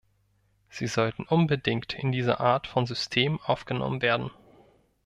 Sie sollten unbedingt in diese Art von System aufgenommen werden.